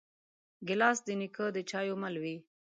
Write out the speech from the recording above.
ګیلاس د نیکه د چایو مل وي.